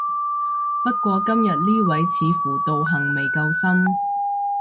不過今日呢位似乎道行未夠深